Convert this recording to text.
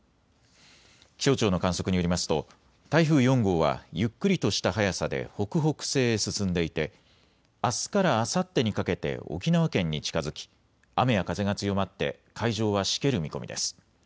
気象庁の観測によりますと台風４号はゆっくりとした速さで北北西へ進んでいて、あすからあさってにかけて沖縄県に近づき雨や風が強まって海上はしける見込みです。